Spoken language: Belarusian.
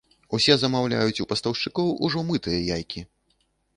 Усе замаўляюць у пастаўшчыкоў ужо мытыя яйкі.